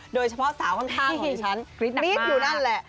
โดยเฉพาะสาวข้างของฉันกรี๊ดหนักมากมีดอยู่นั่นแหละ